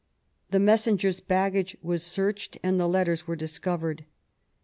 The messenger's bag gage was searched, and the letters were discovered.